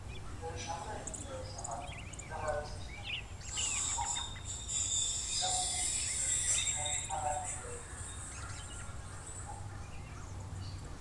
• نه به کاڼی پوست سي، نه به غلیم دوست سي ,